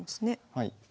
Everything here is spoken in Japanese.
はい。